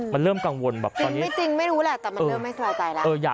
มันเริ่มกังวลแบบตอนนี้ไม่จริงไม่รู้แหละแต่มันเริ่มไม่สบายใจแล้ว